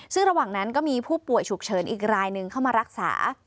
ซึ่งระหว่างนั้นก็มีผู้ป่วยฉุกเฉินอีกรายหนึ่งเข้ามารักษา